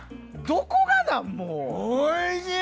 どこがなん、もう。